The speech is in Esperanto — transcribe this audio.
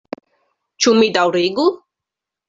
Ĉu mi daŭrigu?